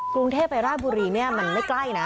กรุงเทพไปราชบุรีเนี่ยมันไม่ใกล้นะ